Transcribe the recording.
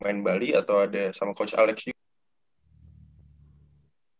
mainkan coach dari bali atau ada sama coach alex juga